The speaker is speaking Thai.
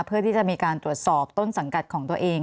เพื่อที่จะมีการตรวจสอบต้นสังกัดของตัวเอง